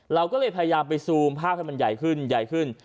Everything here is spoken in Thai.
เราก็เลยพยายามไปซูมภาพให้มันใหญ่ขึ้นใหญ่ขึ้น